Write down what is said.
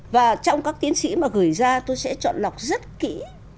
và trong các tiến sĩ mà gửi ra tôi sẽ chọn lọc rất kỹ